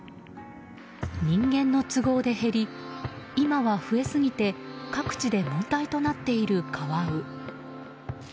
人間の都合で減り今は増えすぎて各地で問題となっているカワウ。